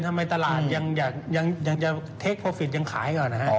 ตลาดยังจะเทคโคฟิกยังขายก่อนนะฮะ